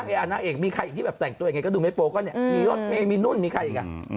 นางเอกมีใครที่แบบแต่งตัวอย่างไรก็ดูไม่โป๊ะก็เนี่ยมีนู่นมีใครอีกอะ